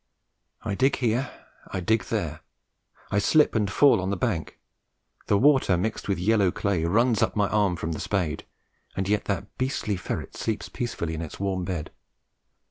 I dig here, I dig there; I slip and fall on the bank; the water mixed with yellow clay runs up my arm from the spade, and yet that beastly ferret sleeps peacefully in its warm bed.